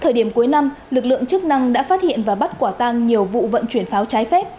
thời điểm cuối năm lực lượng chức năng đã phát hiện và bắt quả tang nhiều vụ vận chuyển pháo trái phép